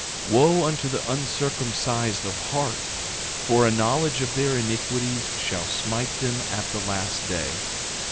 9:33 Wo unto the uncircumcised of heart, for a knowledge of their iniquities shall smite them at the last day.